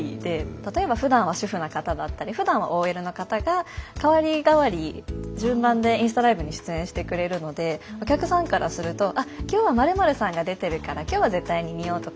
例えばふだんは主婦の方だったりふだんはＯＬの方が代わり代わり順番でインスタライブに出演してくれるのでお客さんからするとあ今日は○○さんが出てるから今日は絶対に見ようとか。